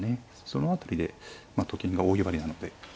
その辺りでと金が大威張りなので。